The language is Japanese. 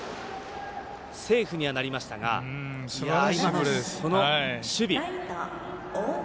セーフにはなりましたがこの守備。